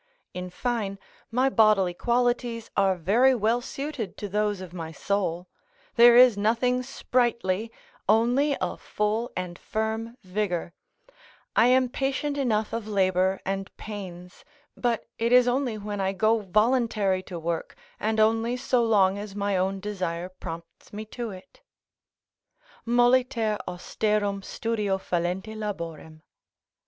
In fine, my bodily qualities are very well suited to those of my soul; there is nothing sprightly, only a full and firm vigour: I am patient enough of labour and pains, but it is only when I go voluntary to work, and only so long as my own desire prompts me to it: "Molliter austerum studio fallente laborem."